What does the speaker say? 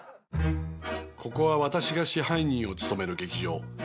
ここは私が支配人を務める劇場。